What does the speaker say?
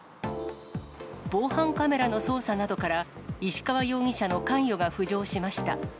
防犯カメラの捜査などから、石川容疑者の関与が浮上しました。